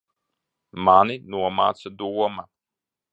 Mani nomāca doma.